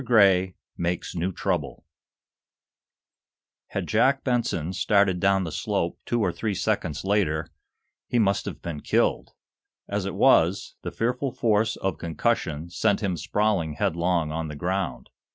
GRAY" MAKES NEW TROUBLE Had Jack Benson started down the slope two or three seconds later he must have been killed. As it was, the fearful force of concussion sent him sprawling headlong on the ground.